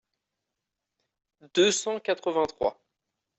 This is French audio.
deux cent quatre-vingt-trois).